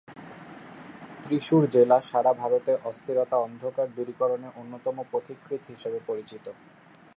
ত্রিশূর জেলা সারা ভারতে অস্থিরতা অন্ধকার দূরীকরণে অন্যতম পথিকৃৎ হিসেবে পরিচিত।